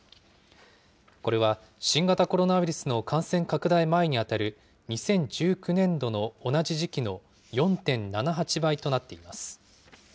これは新型コロナウイルスの感染拡大前に当たる２０１９年度の同じ時期の４．７８倍となっています。